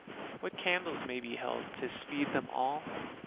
What candles may be held to speed them all?